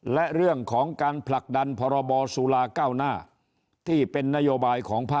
และเรื่องของการผลักดันพรรดา